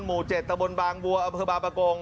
หมู่เจ็บตะบลบางบังเบลวะปือบาปกง